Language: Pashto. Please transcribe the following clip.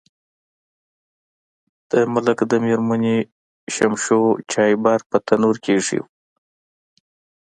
د ملک د میرمنې شمشو چایبر په تنور کې ایښی و.